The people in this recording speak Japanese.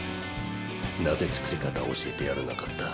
なぜ作り方を教えてやらなかった？